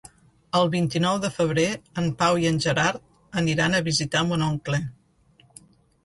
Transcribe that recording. El vint-i-nou de febrer en Pau i en Gerard aniran a visitar mon oncle.